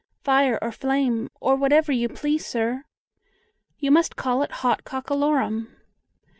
"Fire or flame, or whatever you please, sir." "You must call it 'hot cockalorum.'